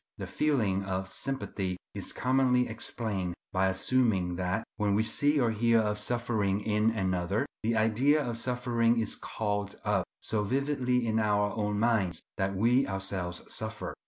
The feeling of sympathy is commonly explained by assuming that, when we see or hear of suffering in another, the idea of suffering is called up so vividly in our own minds that we ourselves suffer.